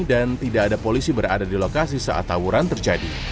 dan tidak ada polisi berada di lokasi saat tawuran terjadi